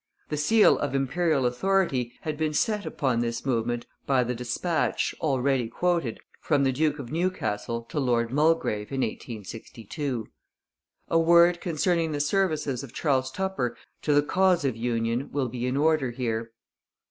The seal of Imperial authority had been set upon this movement by the dispatch, already quoted, from the Duke of Newcastle to Lord Mulgrave in 1862. A word concerning the services of Charles Tupper to the cause of union will be in order here.